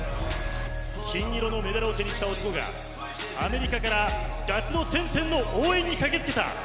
金色のメダルを手にした男がアメリカからダチの天心の応援に駆け付けた。